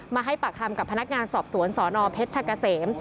ให้ปากคำกับพนักงานสอบสวนสนเพชรชะกะเสม